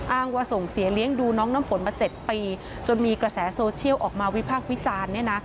อ้างว่าส่งเสียเลี้ยงดูน้องน้ำฝนมา๗ปีจนมีกระแสโซเชียลออกมาวิภาควิจารณ์